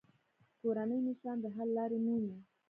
کورني مشران د حل لارې مومي.